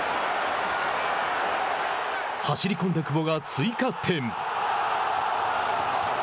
走り込んだ久保が追加点。